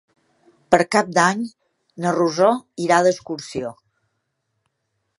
Per Cap d'Any na Rosó irà d'excursió.